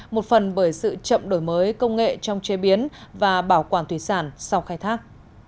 một phần bởi sự chậm đổi mới công nghệ trong chế biến và bảo quản thủy sản sau khai thác